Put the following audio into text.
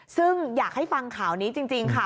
ซึ่งอยากให้ฟังข่าวนี้จริงค่ะ